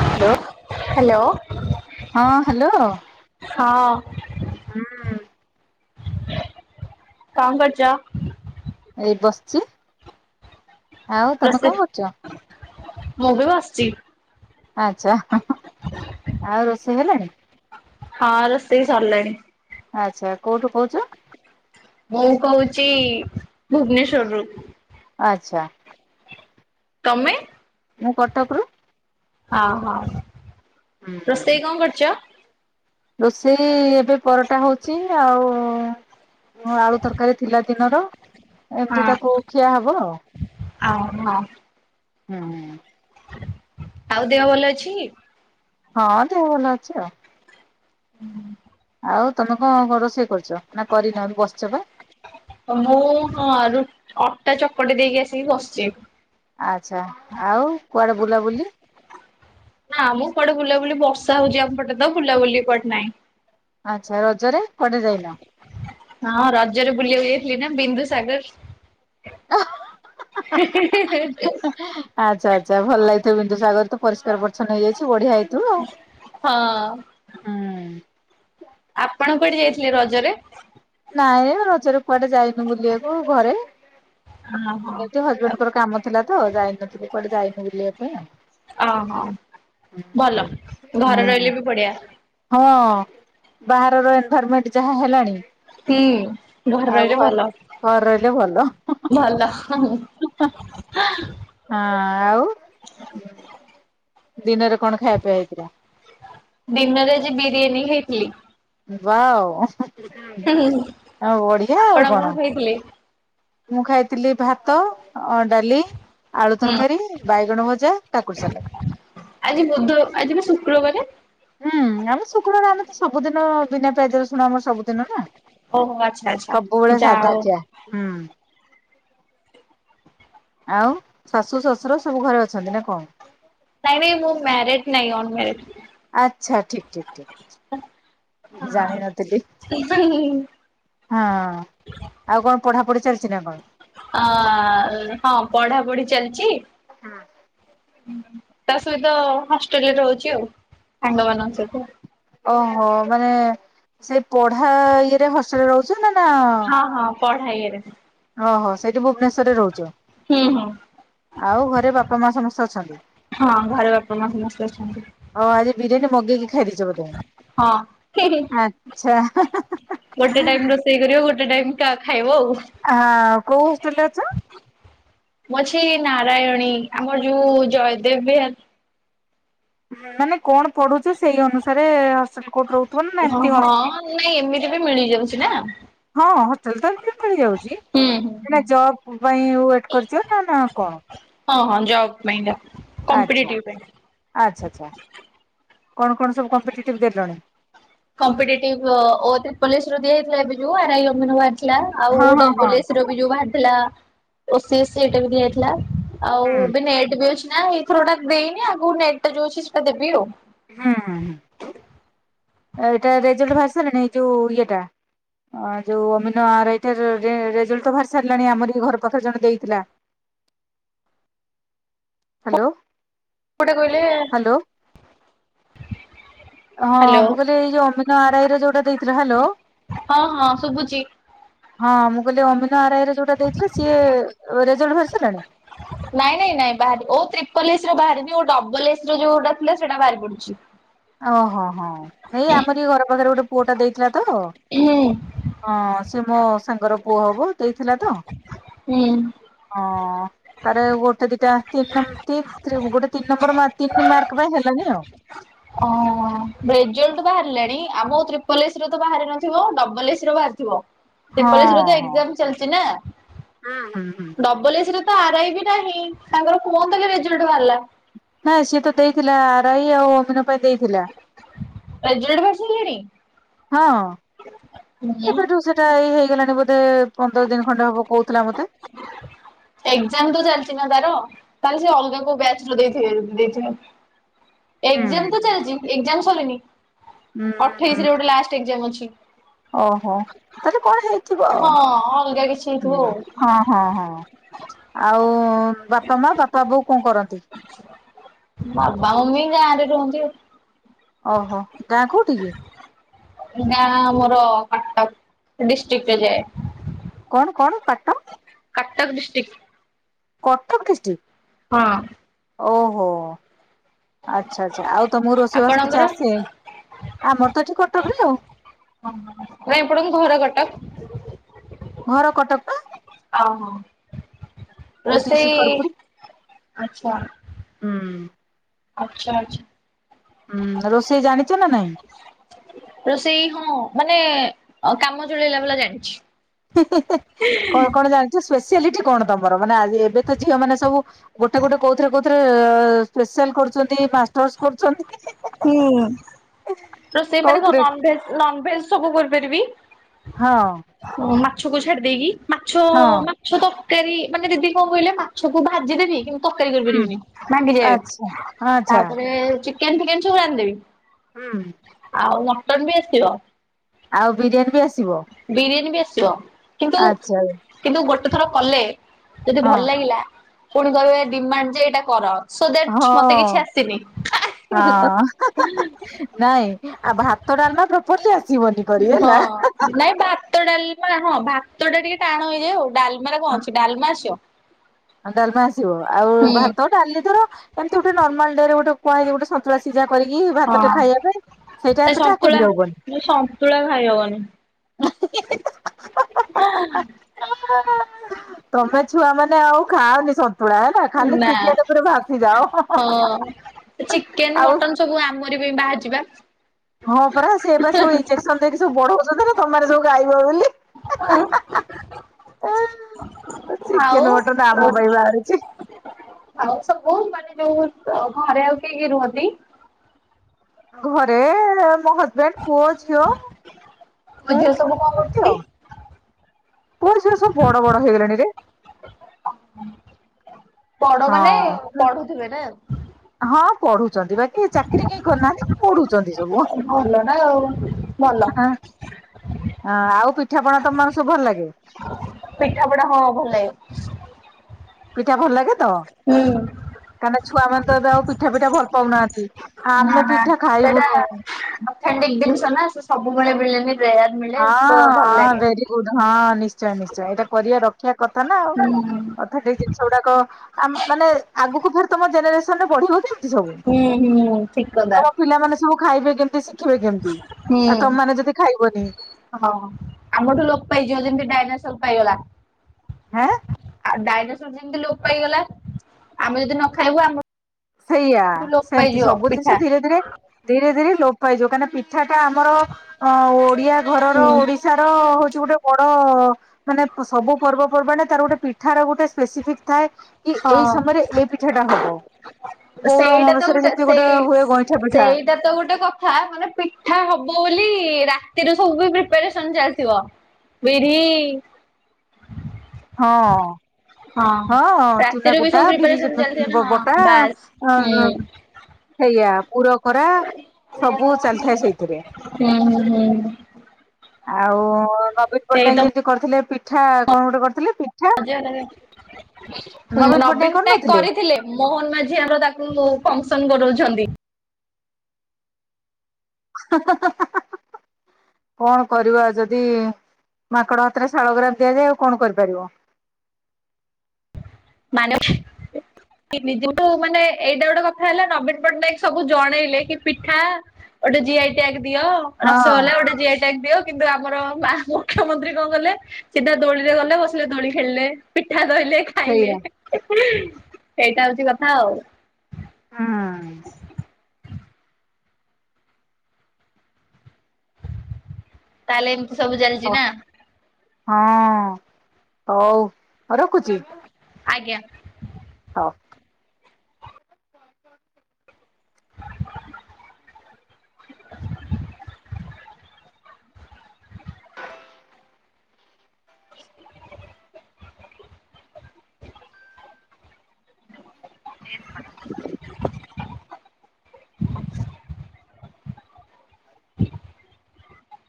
Hello hello ହଁ hello ହ ହଁ କଣ କରୁଚ? ସେ ବସିଛି, ଆଉ ତମେ ରୋଷେଇ କଣ କରୁଛ? ମୁଁ ବି ବସିଛି। ଆଚ୍ଛା, ଆଉ ରୋଷେଇ ହେଲାଣି? ହଁ ରୋଷେଇ ସରିଲାଣି। ଆଚ୍ଛା, କୋଉଠୁ କହୁଛ? ମୁଁ କହୁଛି ଭୁବନେଶ୍ଵର ରୁ। ଆଚ୍ଛା। ତମେ ମୁଁ କଟକରୁ। ହ ହୋ ହୁଁ। ରୋଷେଇ କଣ କରଛ? ରୋଷେଇ ଏବେ ପରଟା ହଉଛି ଆଉ ଆଳୁ ତରକାରୀ ଥିଲା ଦିନର, ଏମିତି ତାକୁ ଖିଆ ହବ ଆଉ। ହଉ ହଁ [unintelligible] ହୁଁ ଆଉ ଦେହ ଭଲ ଅଛି? ହଁ ଦେହ ଭଲ ଅଛି ଆଉ ହୁଁ ଆଉ ତମେ କଣ ରୋଷେଇ କରୁଛ ନା କରିନ ବସିଛ ପା? ମୁଁ, ହଁ, ରୁ ଅଟା ଚକଟି ଦେଇକି ଆସିକି ବସିଛି। ଆଚ୍ଛା ଆଉ କୁଆଡେ ବୁଲାବୁଲି? ନା ମୁଁ କୁଆଡେ ବୁଲାବୁଲି ବର୍ଷା ହଉଛି ଆମ ପଟେ ତ ବୁଲାବୁଲି କୁଆଡ଼େ ନାହିଁ। ଆଚ୍ଛା ରଜରେ କୁଆଡେ ଯାଇନ? ହଁ ରଜରେ ବୁଲିବାକୁ ଯାଇଥିଲି ନା ବିନ୍ଦୁସାଗର। ହା ହା ହା ହା ହା ହା ଆଚ୍ଛା ଆଚ୍ଛା ଭଲ ଲାଗିଥିବ ବିନ୍ଦୁ ସାଗର ତ ପରିସ୍କାର ପରିଚ୍ଛନ୍ନ ହେଇଯାଇଛି ବଢିଆ ହେ ହଁ। ଆପଣ କୁଆଡ଼େ ଯାଇଥିଲେ ରଜରେ? ନାଇଁ ରଜରେ କୁଆଡେ ଯାଇନୁ ବୁଲିବାକୁ ଘରେ। ହଁ ହଁ ଏମତି ହଜବେଣ୍ଡଙ୍କର କାମ ଥିଲା ତ ଯାଇନଥିଲୁ କୁଆଡେ ଯାଇନୁ ବୁଲିବା ପାଇଁ ଆଉ। ଓହୋ ଭଲ ଘରେ ରହିଲେ ବି ବଢିଆ। ହଁ ବାହାରର ଏନଭାରମେଣ୍ଟ ଯାହା ହେଲାଣି। ହୁଁ ଘରେ ଆଉ ରହିଲେ ଘ ଭଲ। ଘରେ ରହିଲେ ଭଲ ଭଲ। ହଁ ଆଉ ଦିନରେ କଣ ଖାଇବା ପିଆ ହେଇଥିଲା? ଦିନରରେ ଆଜି ବିରିୟାନୀ ଖାଇଥିଲି। ବା ଆଉ ବଢିଆ ଆଉ ଆପଣ କଣ। ଖାଇଥିଲେ? ମୁଁ ଖାଇଥିଲି ଭାତ ଅ ଡାଲି ଆଳୁ ହୁଁ ତରକାରୀ ବାଇଗଣ ଭଜା କାକୁଡି ସାଲାଟ। ଆଜିି ପା ଶୁକ୍ରବାରେ। ହୁଁ ଆମ ଶୁକ୍ରବାର ଦିନ ତ ସବୁଦିନ ବିନା ପିଆଜ ରସୁଣ ଆମର ସବୁଦିନ ନା। ଓହୋ ଆଚ୍ଛା ଆଚ୍ଛା। ସବୁବେଳେ ଯା ସାଧା ହଉ ଖିଆ ହୁଁ। ଆଉ ଶାଶୁ ଶଶୁର ସବୁ ଘରେ ଅଛନ୍ତି ନା କଣ। ନାଇଁ ନାଇଁ ମୁଁ ମ୍ୟାରେଡ ନାଇଁ ଅନ ମ୍ୟାରେଡ। ଆଚ୍ଛା ଠିକ ଠିକ ଠିକ। ଜାଣିନଥିଲି [unintelligible] ହଁ ଆଉ କଣ ପଢାପଢି ଚାଲିଛି ନା କଣ? ଅ ହଁ ପଢାପଢି ଚାଲିଛି। ହୁଁ। ତା ସହିତ ହଷ୍ଟେଲରେ ରହୁଛି ଆଉ ସାଙ୍ଗ ମାନଙ୍କ ସହିତ। ଓହୋ ମାନେ ସେଇ ପଢା ଇଏରେ ହଷ୍ଟେଲରେ ରହୁଛ ନା ନା। ପଢ଼ା ଇଏରେ। ଓ ହୋ ସେଇଠି ଭୁବନେଶ୍ୱରରେ ରହୁଛ। ହୁଁ ହୁଁ। ଆଉ ଘରେ ବାପା ମା ସମସ୍ତେ ଅଛନ୍ତି ହଁ ଘରେ ବାପା ମା ସମସ୍ତେ ଅଛନ୍ତି। ଆଉ ଆଜି ବିରୀୟାନି ମଗେଇକି ଖାଇଦେଇଚ ବଧେ ହଁ ହିଁ ହିଁ ଆଚ୍ଛା ହା ହା ଗୋଟେ ହା ଟାଇମ ଆ। ରୋଷେଇ କରିବ ଗୋଟେ ଟାଇମ କା ଖାଇବ ଆଉ। ଆଁ କୋଉ ହଷ୍ଟେଲରେ ଅଛ। ମୁଁ ଅଛି ନାରାୟଣୀ ଆମର ଯୋଉ ଜୟଦେବ ବିହାର। ମାନେ କଣ ପଢୁଛ ସେଇ ଅନୁସାରେ ହ ହଷ୍ଟେଲ କଉଠି ରହୁଥିବ ନାଁ ହଁ ଏମିତି ହଷ ହଁ ନାଇଁ ଏମିତି ବି ମିଳିଯାଉଛି ନା ହଁ ହ ଟେଲ ତ ସେଠି ମିଳି ଯାଉଚି ହୁଁ ହୁଁ ମାନେ ହୁଁ। ଜବ ପାଇଁ ୱେଟ କରିଚ ନା ନା କଣ। ହଁ ହଁ ଜବ୍ ପାଇଁ କା। ଆଚ୍ଛା କମ୍ପିଟେଟିଭ ଆଚ୍ଛାଚ୍ଛା। କଣ କଣ ସବୁ କମ୍ପିଟିଟିଭ ଦେଲଣି? କମ୍ପିଟିଟିଭ ଓ ଓ ତ୍ରିପଲ୍ ଏ ସି ର ଦିଆହେଇଥିଲା ଏବେ ଯୋଉ ଆର ଆଇ ଅମିନ୍ ବା ଥିଲା ଆଉ ହଁ ଓ ହଁ ହଁ ଡବଲ ଏ ସି ର ବି ଯୋଉ ବାହାରିଥିଲା ଓ ସି ଏ ସି ଏଟା ବି ଦିଆହେଇଥିଲା। ଆଉ ହୁଁ ଏବେ ନେଟ ବି ଅଛି ନା ଏଇଥରକ ଟା ଦେଇନି ଆଗକୁ ନେଟ ଟା ଯୋଉ ଅଛି ସେଇଟା ଦେବି ଆଉ। ହୁଁ ହଁ ଏଇଟା ରେଜଲ୍ଟ ବାହାରି ସାରିଲାଣି ଏଇ ଯୋଉ ଇଏଟା। ଯୋଉ ଅମିନ ଆରାଇ [unintelligible] ରେଜଲ୍ଟ ତ ବାହାରି ସାରିଲାଣି ଆମର ଘର ପାଖରେ ଜଣେ ଦେଇଥିଲା। ହ୍ୟାଲୋ। କୋଉଟା କହିଲେ ହ୍ୟାଲୋ ହଁ ହ୍ୟାଲୋ ମୁଁ କହିଲି ଏଇ ଯୋଉ ଅମିନ୍ ଆରାଇ ର ଯୋଉଟା ଦେଇଥିଲ ହ୍ୟାଲୋ ହଁ ହଁ ଶୁବୁଚି। ହଁ ମୁଁ କହିଲି ଅମିନୋ ଆରାଇ ରେ ଯୋଉଟା ଦେଇଥିଲ ସିଏ ରେଜଲ୍ଟ ବାହାରି ସାରିଲାଣି? ନାଇଁ ନାଇଁ ନାଇଁ ବାହାରି ଓ ତ୍ରିପଲ ଏସ୍ ର ବାହାରିଚି ଓ ଡବଲ ଏସ୍ ର ଯୋଉଟା ଥିଲା ସେଇଟା ବାହାରି ପଡ଼ିଛି। ଓହୋ ହୋ ଏଇ ଆମର ଇଏ ଘର ପାଖରେ ଗୋଟେ ପୁଅ ଟା ଦେଇଥିଲା ତ ହଁ ହୁଁ। ସେ ମୋ ତାଙ୍କର ପୁଅ ହବ ଦେଇଥିଲା ତ ହୁଁ। ହଁ। ତାର ଗୋଟେ ଦିଟା ତିନି ନ ଗୋଟେ ତିନି ନମ୍ବର ତିନି ମାର୍କ ପାଇଁ ହେଲାନି ଆଉ। [inaudible] ଓ ରେଜଲ୍ଟ ବାହାରିଲାଣି ଆମର ତ୍ରିପଲ ଏସ୍ ର ତ ବାହାରି ନଥିବ ଡ଼ବଲ ଏସ୍ ର ବାହାରିଥିବ। ତ୍ରିପଲ ଏସ୍ ର ଆଉ ତ ହଁ ଏକ୍ସାମ୍ ଚାଲିଚି ନା ହଁ ହୁଁ ହୁଁ ହୁଁ ଡବଲ୍ ଏସ୍ ତ ଆରାଇ ବି ନାହିଁ ତାଙ୍କ କୋଉତିରେ ରେଜଲ୍ଟ ବାହାରିଲା। ନାଁ ସିଏ ତ ଦେଇଥିଲା ଆରାଇ ଆଉ ଅମିନ ପାଇଁ ଦେଇଥିଲା। ରେଜଲ୍ଟ ବାହାରି ସାରିଲାନି। ହଁ କେବେଠୁ ସେଟା ଏଇ ହେଇଗଲାଣି ବୋ ଧେ ପନ୍ଦର ଦିନ୍ ଖଣ୍ଡେ ହବ କହୁଥିଲା ମତେ। ଏକ୍ଜାମ ତ ଚାଲିଛି ନା ତାର ତାହେଲେ ସେ ଅଲଗା କୋଉ ବ୍ୟାଚ ର ଦେଇ ଦେଇଥିବେ ହୁଁ ଏକ୍ସାମ୍ ତ ଚାଲିଛି ଏକ୍ସାମ୍। [unintelligible] ହୁଁ ଅଠେଇଶି ହୁଁ ରେ ଗୋଟେ ଲାଷ୍ଟ୍ ଏକ୍ସାମ୍ ଅଛି। ଓହୋ ତାହେଲେ କଣ ହେଇଥିବ ଆଉ। ହଁ ଅଲଗା କିଛି ହେଇଥିବ ଆଉ ହଁ ହଁ ହଁ ଆଉ ବାପା ମା ବାପା ବୋଉ କଣ କରନ୍ତି? ବାବା ମମି ଗାଁରେ ରୁହନ୍ତି ଆଉ। ଓହୋ ଗାଁ କୋଉଠି କି? [unintelligible] ଗାଁ ମୋର କଟକ ଡିଷ୍ଟ୍ରିକ୍ଟ ରେ ଯାଏ। କଣ କଣ ପାଟ କଟକ ଡିଷ୍ଟିକ୍। କଟକ ଡିଷ୍ଟିକ୍। ହଁ। ଓହୋ। ଆଚ୍ଛା ଆଚ୍ଛା ଆଉ ତମକୁ ରୋଷେଇବାସ କିଛି ଆପଣଙ୍କର? ଆସେ ଆମର ତ ଏଠି କଟକରେ ଆଉ। ହଁ ନା ଏପଟେ ମୋ ଘର କଟକ। ଘର କଟକ ପା? ଓ ହୋ ଏଇଠି ରୋଷେଇ ଶିକରପୁର। ଆଚ୍ଛା। ହୁଁ। ଆଚ୍ଛା ଆଚ୍ଛା। ହୁଁ ରୋଷେଇ ଜାଣିଛ ନା ନାଇଁ? ରୋଷେଇ ହଁ ମାନେ କାମ ଚଳେଇଲା ଭଲା ଜାଣିଛି। ହୁଁ ହୁଁ ହୁଁ କଣ କଣ ଜାଣିଛ? ସ୍ପେଶିଆଲିଟି କଣ ତମର ମାନେ ଆ ଏବେ ତ ଝିଅ ମାନ ସବୁ ଗୋଟେ ଗୋଟେ କଉଥିରେ କଉଥିରେ ସ୍ପେସାଲ୍ କରୁଛନ୍ତି [unintelligible] କରୁଛନ୍ତି। ହୁଁ। ରୋଷେଇ ମାନେ କଣ କୋଉଥିରେ ନନଭେଜ୍ ନନଭେଜ୍ ସବୁ କରିପାରିବି। ହଁ ହଁ ମାଛକୁ ଛାଡ଼ି ଦେଇକି ମାଛ ହଁ ମାଛ ତ [unintelligible] ମାନେ ଦିଦି କଣ କହିଲେ ମାଛକୁ ଭାଜିଦେବି କି ତରକାରୀ ହୁଁ କରିପାରିବିନି ଭାଙ୍ଗି ଯାଏ ଆଚ୍ଛା ଆଚ୍ଛା ତାପରେ ଚିକେନ୍ ଫିକେନ୍ ସବୁ ରାନ୍ଧିଦେବି। ହୁଁ। ଆଉ ମଟନ୍ ବି ଆସିବ। ଆଉ ବିରିୟାନୀ ବି ଆସ ବିରିୟାନୀ ବି ଆସିବ କିନ୍ତୁ ଆଚ୍ଛା କିନ୍ତୁ ଗୋଟେ ଥର କଲେ ଯଦି ହଁ ଭଲ ଲାଗିଲା ପୁଣି କହିବେ ଡିମାଣ୍ଡ ଯେ ଏଇଟା କର। ସୋ ଦ୍ୟାଟ ମତେ ହଁ କିଛି ଆସିନି। ହଁ ନାଇଁ ଆଉ ଭାତ ଡାଲମା ପ୍ରପରଲି ଆସିବନି କରି ହେଲା। ହଁ ନାଇଁ ଭାତ ଡାଲମା ହଁ ଭାତଟା ଟିକେ ଟାଣ ହେଇଯାଏ ଆଉ ଡାଲମାରେ କଣ ଅଛି ଡାଲମା ଆସିବ। ଡାଲମା ଆସିବ ଆଉ ହୁଁ ଭାତ ଡାଲିି ଧର କେମିତି ଗୋଟେ ନର୍ମାଲ ଡେରେ ଗୋଟେ କୁହା ଯାଇଛି ଗୋଟେ ସନ୍ତୁଲା ସୀଜା କରିକି ଭାତଟେ ହଁ ଖାଇବା ପାଇଁ ସେଇଟା ଏ ଏତେଟା କରି ସନ୍ତୁଳା ହବନି। ସନ୍ତୁଳା ଖାଇ ହବନି। ତମେ ଛୁଆମାନେ ଆଉ ଖାଆନି ସ ଳା ହେଲା ଖାଲି ନା ଚିକେନ ଉପରେ ଭାସିିଯାଅ ହଁ ଆଉ ବାହାରି ଚିବା ହଁ ପରା ସେଏ ପା ସବୁ ଇଞ୍ଜେସନ ଦେଇକି ସବୁ ବଢଉଛନ୍ତି ନା ତମ ସବୁ ଗାଇବ ବୋଲି। [unintelligible] ଚିକେନ ଆଉ ମଟନ ଆମ ଆଉ ପାଇଁ ବାହାରିଛି। ସବୁ ମାନେ ଯୋଉ ଘରେ ଆଉ କିଏ କିଏ ରୁହନ୍ତି? ଘରେ ମୋ ହଜବେଣ୍ଡ ପୁଅ ଝିଅ ମୋ ମୁ ଝିଅ ସବୁ କଣ ଏମିତି କରୁଛନ୍ତି? ଆଉ କଣ ସେଗୁଡା ସବୁ ବଡ ବଡ ହେଇଗଲେଣି ରେ ବଡ଼ ମାନେ ହଁ। ପଢୁଥିବେ ନା? ଏଇ ଚାକିରି କେହି କରୁନାହାନ୍ତି ପଢୁଛନ୍ତି ସବୁ। ଭଲ ନା ଆଉ ଭଲ। ହ ଆଉ ପିଠାପଣା ତମମାନକୁ ସବୁ ଭଲ ଲାଗେ? ପିଠା ପଣାା ହଁ ଭଲ ଲାଗେ। ପିଠା ଭଲ ଲାଗେ ତ ହୁଁ କାହିଁକିନା ଛୁଆମାନେ ତ ଏବେ ଆଉ ପିଠା ପିଠା ଭଲ ପାଉନାହାନ୍ତି। ନା ଆମେ ନା ପିଠା ସେଇଟା ଖାଇବୁନୁ। ଅଥେଣ୍ଟିକ ଜିନିଷ ନା ସେ ସବୁବେଳେ ମିଳେନି। ରେୟାର ମିଳେ ତ ହଁ ଭଲ ହଁ ଲାଗେ। ଭେରି ଗୁଡ ହଁ ନିଶ୍ଚୟ ନିଶ୍ଚୟ ଏଇଟା କରିବା ରଖିବା କଥା ନା ଆଉ। ହୁଁ। ଅନ୍ଥଟିକ ଜିନିଷଗୁଡାକ ମାନେ ଆଗକୁଫିର ତମ ଜେନେରେସନରେ ବଢିବକି? ସବୁ ହୁଁ ହୁଁ ଠିକ କଥା। ଆବ ପିଲାମାନେ ସବୁ ଖାଇବେ କେ ଶିଖିବେ କେମିତି ଆ ହୁଁ। ତମମାନେ ଯଦି ଖାଇବନି। ହଁ ଆମଠୁ ଲୋପ ପାଇଯିବ ଯେମିତି ଡାଇନାସର ପାଇଗଲା। ହାଁ ଡାଇନାସୋର ଯେମତି ଲୋପ ପାଇଗଲା ଆମେ ଯଦି ନ ଖାଇବୁ ଆମର ସେଇଆା ସେମିତି ସବୁ ଜିନିଷ ପିଠା। ଧୀରେ ଧୀରେ ଧୀରେ ଧୀରେ ଲୋପ ପାଇଏ ଯୋଉ କାଁଇଁ କଥାଟା ଆମର ଅ ଓଡିଆ ଘରର ହୁଁ। ଓଡିଶାର ହଉଛି ଗୋଟେ ବଡ ମାନେ ସବୁ ପର୍ବପର୍ବାଣ ତାର ଗୋଟେ ପିଠ ର ଗୋଟେ ସ୍ପେସିଫିକ ଥାଏ କି ହଁ ଏଇ ସମୟରେ ଏଇ ପିଠାଟା ହବ। ବଉଳ ସେଇଟା ତ ଅମାବାସ୍ୟାରେ ଗୋଟେ ଯେମିତି ସେେଇ ହୁଏ ଗଇଁଠା ପିଠା ସେଇଟା ତ ଗୋଟେ କଥା ମାନେ ପିଠା ହବ ବୋଲି ରାତିରେ ସବୁ ପ୍ରିପାରେସନ ଚାଲିଥିବ ବିରି ହଁ। ହଁ ଚୁନା ରାତିରୁ ବି କୁଟା ସବୁ ପ୍ରିପାରେସନ ଚାଲିଥିବ ନା ବିରିବଟା ହଁ ବାସ୍। ହୁଁ ସେଇଆ ପୁର କର। ହୁଁହୁଁ ହୁଁ। ଆଉ ନବୀନ ସେଇ ତ ପଟ୍ଟନାୟକ ଯେମତି କରିଥିଲେ ପିଠା କଣ ଗୋଟେ କରିଥିଲେ? ପିଠା ଆଜ ନବୀନ ନବୀନ ପଟ୍ଟନାୟକ କରିନଥିଲେ କରିଥିଲେ ମୋହନ ମାଝି ଆମର ତାକୁ ଫଙ୍କସ କରଉଛନ୍ତି। କଣ କରିବା ଯଦି ମାଙ୍କଡ ହାତରେ ଶାଳଗ୍ରାମ ଦିଆଯାଏ ଆଉ କଣ କରିପାରିବ। ମାନେ? ମାନେ ଏଇଟା ଗୋଟେ କଥା ହେଲା ନବୀନ ପଟ୍ଟନାୟକ ସବୁ ଜଣେଇଲେ କି ପିଠା ଗୋଟେ ଜିଆଇ ଟାକ ଦିଅ। ହଁ ରସଗଲା ଗୋଟେ ଜିଆଇ ଟାକ ଦିଅ କିନ୍ତୁ ଆମର ମୁଖ୍ୟମନ୍ତ୍ରୀ କଣ କଲେ ସିଧା ଦୋଳିରେ ଗଲେ ବସିଲେ ଦୋଳି ଖେଳିଲେ। ପିଠା ରହିଲେ ଖାଇଲେ। ସେଇଆ ସେଇଟା ହଉଛି କଥା ଆଉ। ହୁଁ ତାହେଲେ ଏମିତି ସବୁ ଚାଲିଛି ନା? ହଁ ହଉ ରଖୁଛି। ଆଜ୍ଞା। ହ ଏଥର ଆରୁ